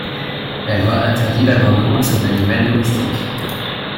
La loi interdit l'abandon de son animal domestique.